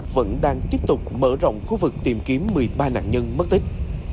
vẫn đang tiếp tục mở rộng khu vực tìm kiếm một mươi ba nạn nhân mất tích